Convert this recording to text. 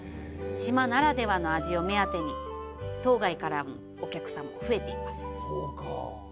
島ならではの味を目当てに島外からのお客さんも増えています。